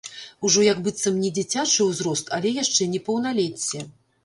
Ужо, як быццам, не дзіцячы ўзрост, але яшчэ не паўналецце.